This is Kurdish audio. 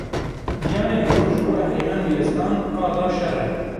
Giyanê mirov ji bo Ehrîmen û Yezdan qada şer e.